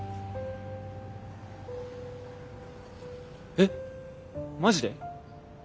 えっマジで？